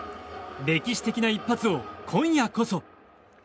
歴史的な一発を今夜こそ。